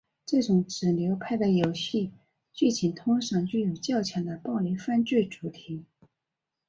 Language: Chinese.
这种子流派的游戏剧情通常具有较强的暴力犯罪主题。